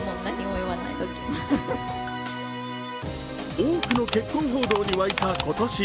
多くの結婚報道に沸いた今年。